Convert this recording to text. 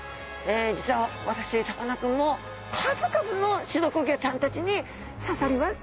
実は私さかなクンも数々の刺毒魚ちゃんたちに刺されました。